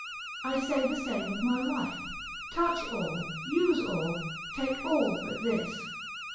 I say the same of my wife, touch all, use all, take all but this.